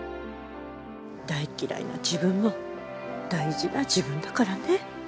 大嫌いな自分も大事な自分だからね。